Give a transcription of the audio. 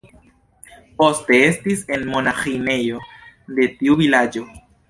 Poste estis en monaĥinejo de tiu vilaĝo.